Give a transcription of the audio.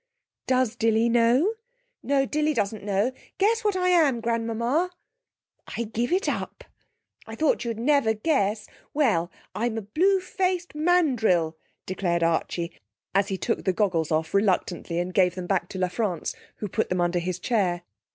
'Does Dilly know?' 'No, Dilly doesn't know. Guess what I am, grandmamma!' 'I give it up.' 'I thought you'd never guess. Well, I'm a blue faced mandrill!' declared Archie, as he took the goggles off reluctantly and gave them back to La France, who put them under his chair.